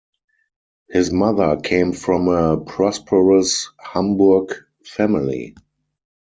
His mother came from a prosperous Hamburg family.